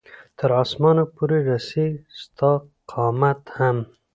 تر اسمانه پورې رسي ستا قامت هم